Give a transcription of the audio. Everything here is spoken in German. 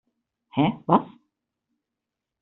Hä, was?